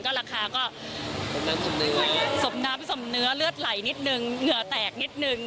ราคาก็สมน้ำผสมเนื้อเลือดไหลนิดนึงเหงื่อแตกนิดนึง